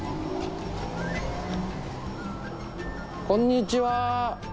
こんにちは。